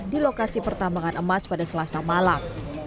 di lokasi pertambangan emas pada selasa malam